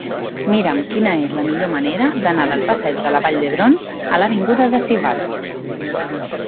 Mira'm quina és la millor manera d'anar del passeig de la Vall d'Hebron a l'avinguda de Sivatte.